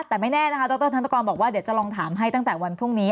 แต่ไม่แน่นะคะดรธนกรบอกว่าเดี๋ยวจะลองถามให้ตั้งแต่วันพรุ่งนี้